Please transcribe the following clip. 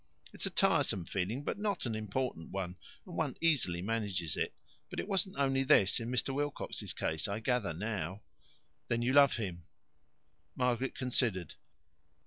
It's a tiresome feeling, but not an important one, and one easily manages it. But it wasn't only this in Mr. Wilcox's case, I gather now." "Then you love him?" Margaret considered.